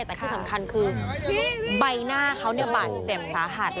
แต่ที่สำคัญคือใบหน้าเขาบาดเจ็บสาหัส